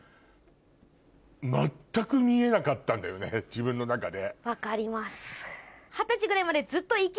自分の中で。